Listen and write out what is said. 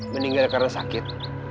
meninggal karena sakit